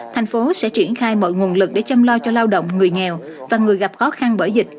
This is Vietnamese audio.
thành phố sẽ triển khai mọi nguồn lực để chăm lo cho lao động người nghèo và người gặp khó khăn bởi dịch